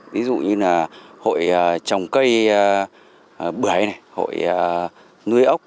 ví dụ như hội trồng cây bưởi hội nuôi ốc